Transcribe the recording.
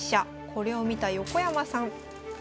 これを見た横山さん。